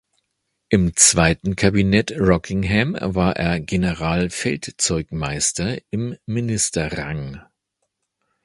Im zweiten Kabinett Rockingham war er Generalfeldzeugmeister im Ministerrang.